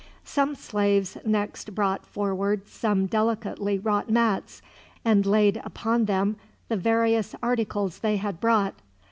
Some slaves next brought forward some delicately wrought mats, and laid upon them the various articles they had brought.